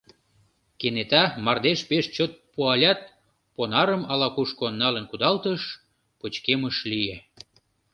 Кенета мардеж пеш чот пуалят, понарым ала-кушко налын кудалтыш, пычкемыш лие.